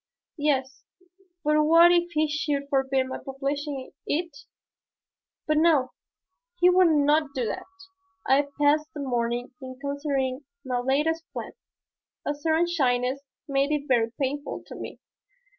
Yes, but what if he should forbid my publishing it? But no, he would not do that. I passed the morning in considering my latest plan. A certain shyness made it very painful to me.